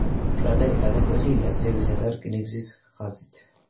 კრატერი გადაკვეთილია გზებითა და რკინიგზის ხაზით.